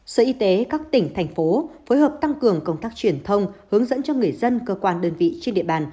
sở y tế các tỉnh thành phố phối hợp tăng cường công tác truyền thông hướng dẫn cho người dân cơ quan đơn vị trên địa bàn